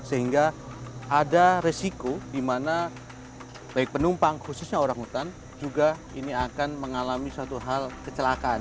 sehingga ada resiko di mana baik penumpang khususnya orang hutan juga ini akan mengalami suatu hal kecelakaan